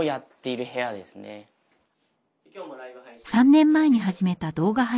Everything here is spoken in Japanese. ３年前に始めた動画配信。